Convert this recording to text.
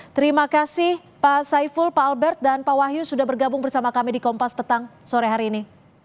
terima kasih pak saiful pak albert dan pak wahyu sudah bergabung bersama kami di kompas petang sore hari ini